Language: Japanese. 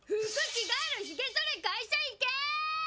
着替えろ、ひげそれ会社行けー！